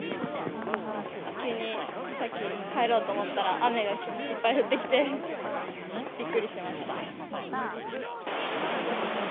急にさっき帰ろうと思ったら、雨がいっぱい降ってきて、びっくりしました。